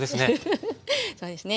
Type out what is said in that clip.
そうですね。